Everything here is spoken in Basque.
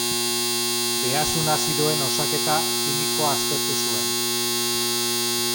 Behazun azidoen osaketa kimikoa aztertu zuen.